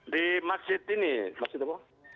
di masjid ini pak